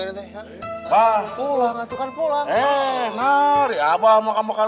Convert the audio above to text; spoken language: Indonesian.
ini tidak baik apa apa saja yang kamu mau bicarakan